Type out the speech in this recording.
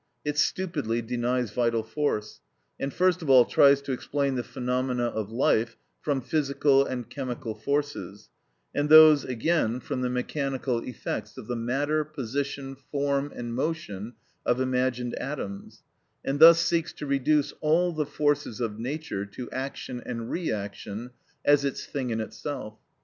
It stupidly denies vital force, and first of all tries to explain the phenomena of life from physical and chemical forces, and those again from the mechanical effects of the matter, position, form, and motion of imagined atoms, and thus seeks to reduce all the forces of nature to action and reaction as its thing in itself.